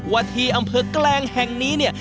ว่าที่อำเภอแกลงแห่งนี้เนี่ย